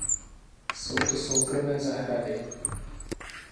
Jsou to soukromé zahrady.